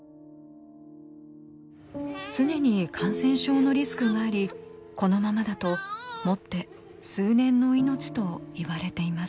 常に感染症のリスクがありこのままだともって数年の命と言われています。